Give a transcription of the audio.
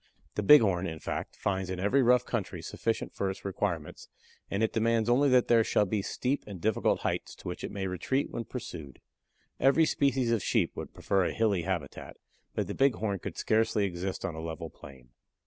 The Bighorn, in fact, finds in every rough country sufficient for its requirements, and it demands only that there shall be steep and difficult heights to which it may retreat when pursued. Every species of sheep would prefer a hilly habitat, but the Bighorn could scarcely exist on a level plain.